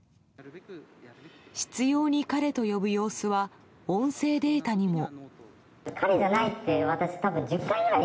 執拗に彼と呼ぶ様子は音声データにも。